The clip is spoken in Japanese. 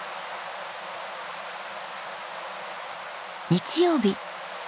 日曜日。